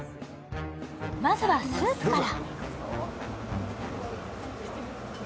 まずはスープから。